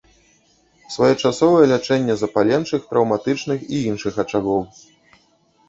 Своечасовае лячэнне запаленчых, траўматычных і іншых ачагоў.